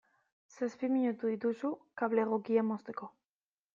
Zazpi minutu dituzu kable egokia mozteko.